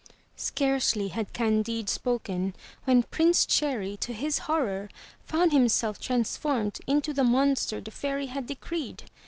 Scarcely had Candide spoken when Prince Cherry, to his horror, found himself transformed into the monster the fairy had decreed.